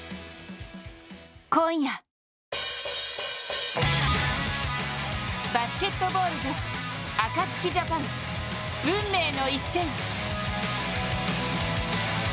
今夜、バスケットボール女子アカツキジャパン運命の一戦。